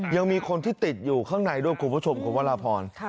ยังมีคนที่ติดอยู่ข้างในด้วยคุณผู้ชมคุณวรพร